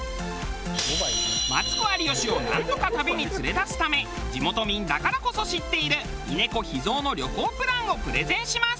マツコ有吉をなんとか旅に連れ出すため地元民だからこそ知っている峰子秘蔵の旅行プランをプレゼンします。